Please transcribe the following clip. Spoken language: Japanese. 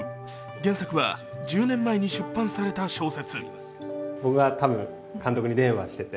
原作は１０年前に出版された小説。